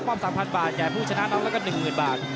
๓๐๐บาทแก่ผู้ชนะน้องแล้วก็๑๐๐๐บาท